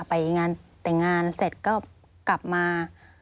ไปงานแต่งงานเสร็จก็กลับมา